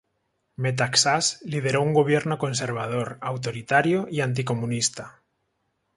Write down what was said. Metaxás lideró un gobierno conservador, autoritario y anticomunista.